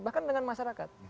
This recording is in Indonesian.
bahkan dengan masyarakat